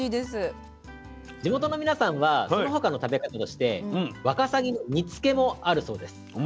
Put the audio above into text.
地元の皆さんはその他の食べ方としてわかさぎの煮つけもあるそうです。